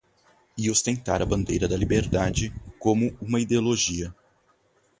E ostentar a bandeira da liberdade como uma ideologia!